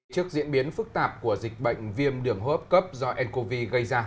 trước diễn biến phức tạp của dịch bệnh viêm đường hô hấp cấp do ncov gây ra